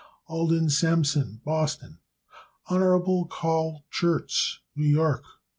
Alden Sampson, Boston, Mass. Hon. Carl Schurz, New York.